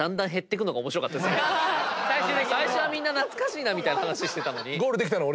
最初はみんな懐かしいなみたいな話してたのに。